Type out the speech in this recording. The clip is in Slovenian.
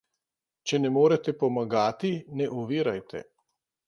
Če ne morete pomagati, ne ovirajte.